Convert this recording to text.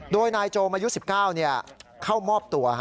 โดยนายโจมอายุ๑๙เข้ามอบตัว